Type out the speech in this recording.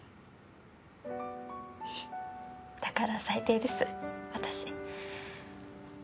だから最低です私。